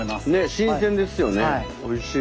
新鮮ですよねはい。